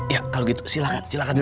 ya kalau gitu silahkan silahkan duduk